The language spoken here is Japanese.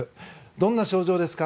どんな症状ですか。